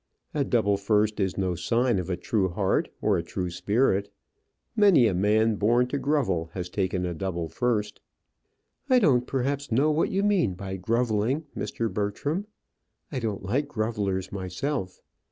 "A double first is no sign of a true heart or true spirit. Many a man born to grovel has taken a double first." "I don't perhaps know what you mean by grovelling, Mr. Bertram. I don't like grovellers myself.